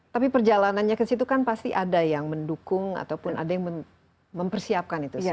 tapi perjalanannya ke situ kan pasti ada yang mendukung ataupun ada yang mempersiapkan itu semua